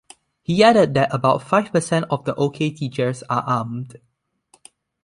He added that about five percent of the Okay teachers are armed.